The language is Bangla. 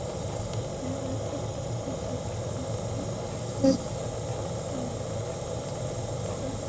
বিবাদীপক্ষ যদি নিজেদের এতটাই নিষ্কলুষ মনে করে, বিচারিক প্রক্রিয়ায় সেটি প্রমাণ করুক।